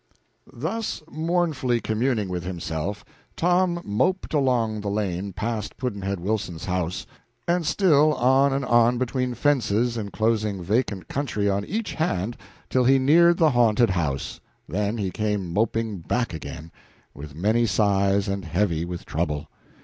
Thus mournfully communing with himself Tom moped along the lane past Pudd'nhead Wilson's house, and still on and on between fences inclosing vacant country on each hand till he neared the haunted house, then he came moping back again, with many sighs and heavy with trouble.